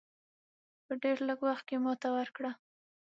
په ډېر لږ وخت کې ماته ورکړه.